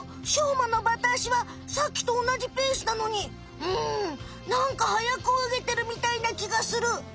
しょうまのバタあしはさっきと同じペースなのにうんなんか速く泳げてるみたいな気がする。